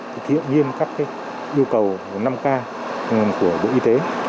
thực hiện nghiêm cấp các cái yêu cầu năm k của bộ y tế